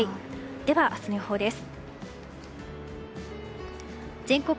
では、明日の予報です。